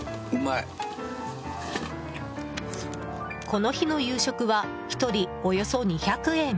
この日の夕食は１人およそ２００円。